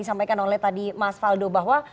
disampaikan oleh tadi mas faldo bahwa